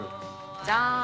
じゃん。